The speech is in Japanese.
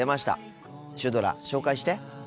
シュドラ紹介して。